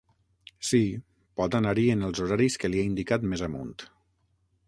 Sí, pot anar-hi en els horaris que li he indicat més amunt.